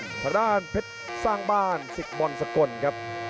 ข้างด้านเพชรสร้างบ้าน๑๐บสก